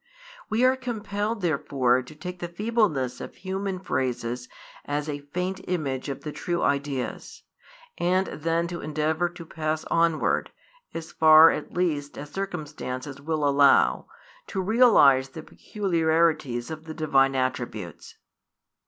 We are compelled therefore to take the feebleness of human phrases as a faint image of the true ideas, and then to endeavour to pass onward, as far at least as circumstances will allow, to realise the peculiarities of the Divine attributes.